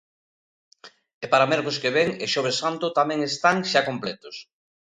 E para mércores que vén e Xoves Santo tamén están xa completos.